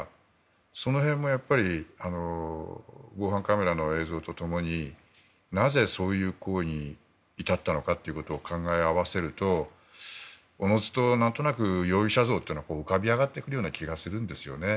その辺もやっぱり防犯カメラの映像とともになぜそういう行為に至ったのかということを考え合わせるとおのずとなんとなく容疑者像というのは浮かび上がってくるような気がするんですよね。